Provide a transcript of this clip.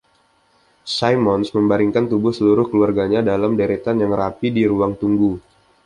Simmons membaringkan tubuh seluruh keluarganya dalam deretan yang rapi di ruang tunggu.